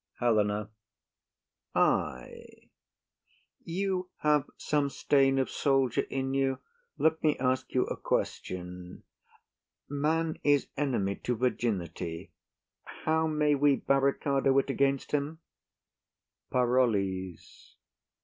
HELENA. Ay. You have some stain of soldier in you; let me ask you a question. Man is enemy to virginity; how may we barricado it against him? PAROLLES.